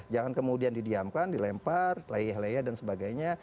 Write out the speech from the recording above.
jangan kemudian didiamkan dilempar layah layah dan sebagainya